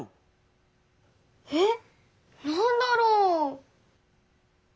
えっなんだろう？